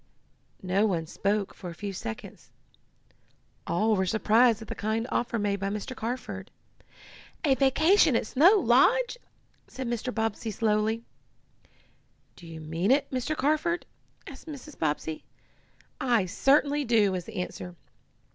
No one spoke for a few seconds. All were surprised at the kind offer made by Mr. Carford. "A vacation at Snow Lodge!" said Mr. Bobbsey slowly. "Do you mean it, Mr. Carford?" asked Mrs. Bobbsey. "I certainly do," was the answer.